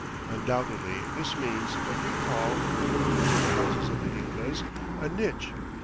Undoubtedly this means what we call, in the ruins of the houses of the Incas, a niche.